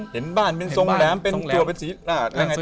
เห็นบ้านเป็นทรงแหลมเป็นเกี่ยวเป็นสี